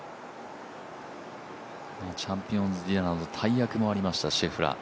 チャンピオンズディナーでの大役もありました、シェフラー。